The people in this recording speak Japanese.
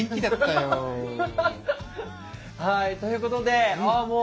はいということでああ